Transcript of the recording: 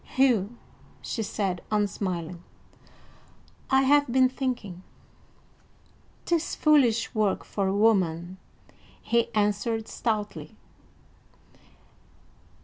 "Hugh," she said, unsmiling, "I have been thinking." "'Tis foolish work for a woman," he answered stoutly.